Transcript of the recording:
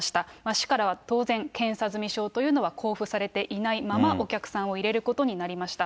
市からは当然、検査済証というのは交付されていないまま、お客さんを入れることになりました。